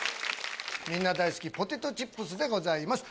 みんな大好きポテトチップスでございます。